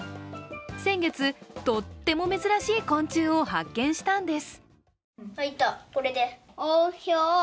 先月、とっても珍しい昆虫を発見したんです。